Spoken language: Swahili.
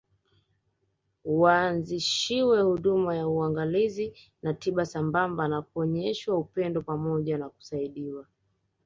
Waanzishiwe huduma ya uangalizi na tiba sambamba na kuonyeshwa upendo pamoja na kusaidiwa